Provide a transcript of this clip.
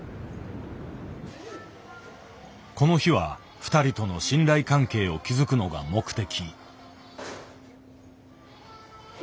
この日は２人との信頼関係を築くのが目的。